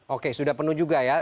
oke sudah penuh juga ya